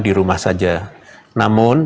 di rumah saja namun